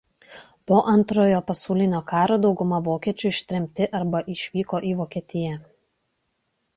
Po Antrojo pasaulinio karo dauguma vokiečių ištremti arba išvyko į Vokietiją.